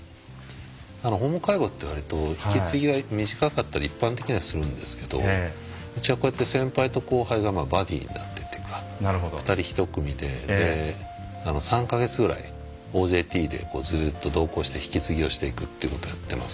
訪問介護ってわりと引き継ぎが短かったり一般的にはするんですけどうちはこうやって先輩と後輩がバディになってっていうか２人１組で３か月くらいＯＪＴでずっと同行して引き継ぎをしていくということをやってます。